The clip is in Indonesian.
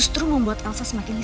aku mau bicara sama ricky